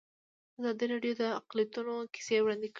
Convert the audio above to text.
ازادي راډیو د اقلیتونه کیسې وړاندې کړي.